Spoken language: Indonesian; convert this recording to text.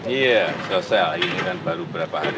iya selesai ini kan baru berapa hari